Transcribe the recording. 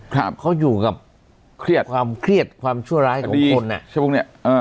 เขาอยู่กับความเครียดความชั่วร้ายของคนเนี่ย